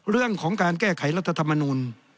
เรื่องของการแก้ไขรัฐธรรมนูล